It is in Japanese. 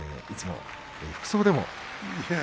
いつも服装でも。